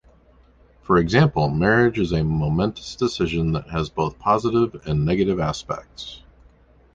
For example, marriage is a momentous decision that has both positive and negative aspects.